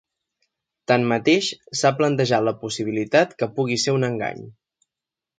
Tanmateix, s'ha plantejat la possibilitat que pugui ser un engany.